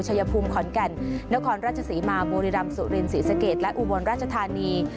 ชายภูมิขอนแก่นนครราชศรีมาบุรีรำสุรินศรีสะเกดและอุบลราชธานี